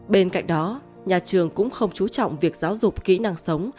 bên cạnh đó nhà trường cũng không chú trọng việc giáo dục kỹ năng sống